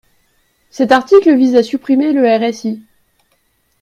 Cet article vise à supprimer le RSI.